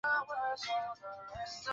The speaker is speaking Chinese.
出身于东京都新宿区。